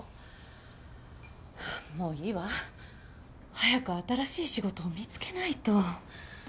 早く新しい仕事を見つけないと。